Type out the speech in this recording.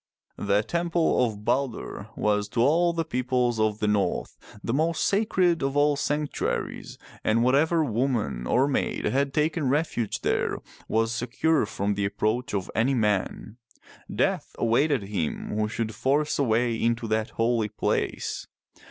The temple of Balder was to all the peoples of the north the most sacred of all sanctuaries, and whatever woman or maid had taken refuge there was secure from the approach of any man. Death awaited him who should force a way into that holy place.